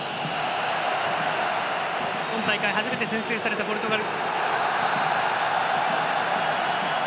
今大会、初めて先制されたポルトガル。